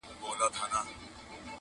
o ما ویلي وه چي ته نه سړی کيږې,